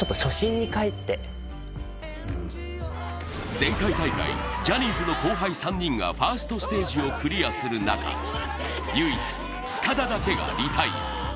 前回大会、ジャニーズの後輩３人がファーストステージをクリアする中、唯一、塚田だけがリタイア。